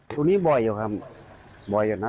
ตรงนี้บ่อยอยู่ครับบ่อยอยู่นะ